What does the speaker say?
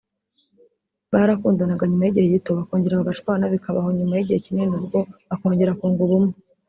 barakundanaga nyuma y’igihe gito bakongera bagashwana bikaba aho nyuma y’igihe kinini nabwo bakongera kunga ubumwe